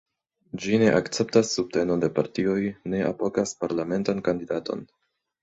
Ĝi ne akceptas subtenon de partioj, ne apogas parlamentan kandidaton.